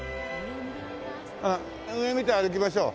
上見て歩きましょう。